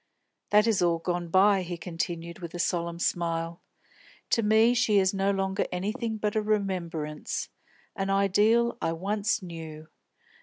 "That is all gone by," he continued, with a solemn smile. "To me she is no longer anything but a remembrance, an ideal I once knew.